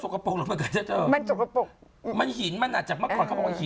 คนเหยียบเยอะใช่